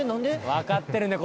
・分かってるね